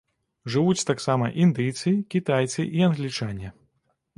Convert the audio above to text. Жывуць таксама індыйцы, кітайцы і англічане.